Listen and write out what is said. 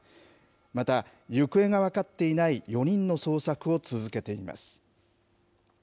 また、行方が分かっていない４人の捜索を続けています。